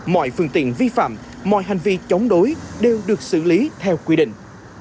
mọi phương tiện vi phạm mọi hành vi chống đối đều được xử lý theo quy định